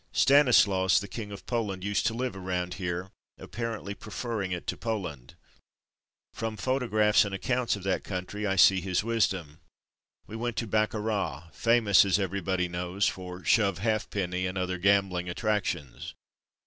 Stanislaus, the King of Poland, used to live around here, apparently preferring it to Poland. From photographs and accounts of that country I see his wisdom. We went to Baccarat, famous as everyone knows for ^^shove halfpenny," and other gambling attractions.